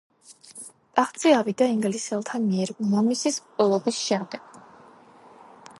ტახტზე ავიდა ინგლისელთა მიერ მამამისის მკვლელობის შემდეგ.